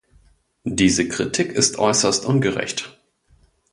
Diese Kritik ist äußerst ungerecht.